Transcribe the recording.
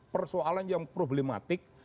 persoalan yang problematik